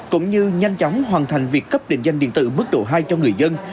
cũng như nhanh chóng hoàn thành việc cấp định danh điện tử mức độ hai cho người dân